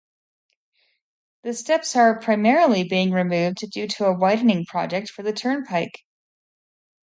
The steps are primarily being removed due to a widening project for the Turnpike.